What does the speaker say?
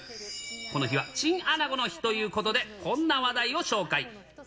この日はチンアナゴの日ということで、こんな話題を紹介。